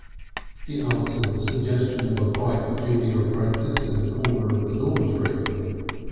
He answered the suggestion of a bright junior apprentice in a corner of the dormitory.